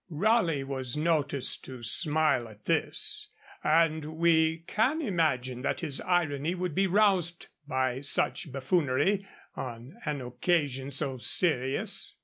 Raleigh was noticed to smile at this, and we can imagine that his irony would be roused by such buffoonery on an occasion so serious.